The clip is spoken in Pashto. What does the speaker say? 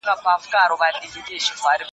لاسونه ښکلوي، ستا په لمن کې جانانه